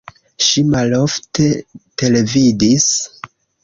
Ŝi malofte televidis.